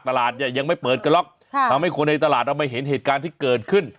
ตลาดเนี่ยยังไม่เปิดกันหรอกทำให้คนในตลาดเอามาเห็นเหตุการณ์ที่เกิดขึ้น